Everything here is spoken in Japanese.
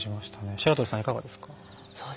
白鳥さん、いかがですか？